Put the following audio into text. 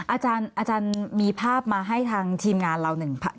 อาจารย์มีภาพมาให้ทางทีมงานเราหนึ่ง